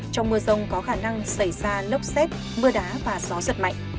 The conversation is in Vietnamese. trong mưa rông có khả năng xảy ra lốc xét mưa đá và gió giật mạnh